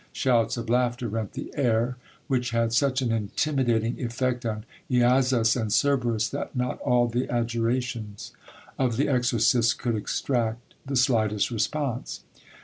Shouts of laughter rent the air, which had such an intimidating effect on Eazas and Cerberus that not all the adjurations of the exorcists could extract the slightest response.